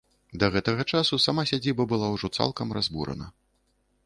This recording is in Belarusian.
Да гэтага часу сама сядзіба была ўжо цалкам разбурана.